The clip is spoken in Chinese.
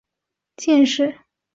万历三十八年登庚戌科进士。